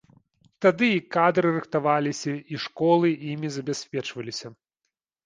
Тады і кадры рыхтаваліся, і школы імі забяспечваліся.